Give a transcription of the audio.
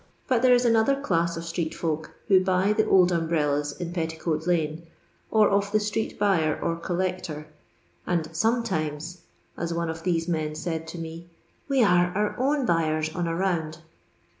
But there is another class of street folk who buy the old ombrellas in Petti coat kme, or of the street buyer or collector, and "sometimes,'' as one of these men said to me, " we are our own buyers on a round."